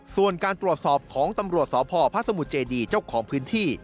ส่วนการตรวจสอบของตำรวจสพพระสมุทรเจดีเจ้าของพื้นที่